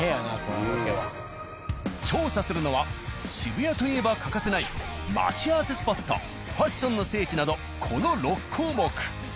調査するのは渋谷といえば欠かせない待ち合わせスポットファッションの聖地などこの６項目。